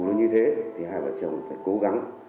luôn như thế thì hai vợ chồng phải cố gắng